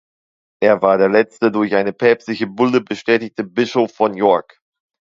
Er war der letzte durch eine Päpstliche Bulle bestätigte Bischof von York.